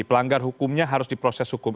pelanggar hukumnya harus diproses hukum